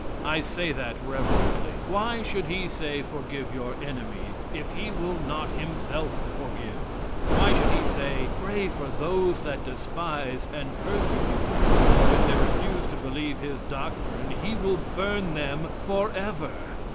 I say that reverently. Why should he say, "Forgive your enemies," if he will not himself forgive? Why should he say "Pray for those that despise and persecute you," but if they refuse to believe his doctrine he will burn them forever?